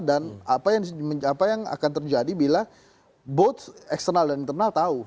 dan apa yang akan terjadi bila both eksternal dan internal tahu